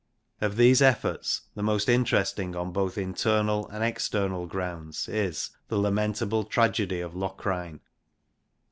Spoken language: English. Of these efforts the most interesting en both internal and external grounds is The lamentable tragedie of Locrine.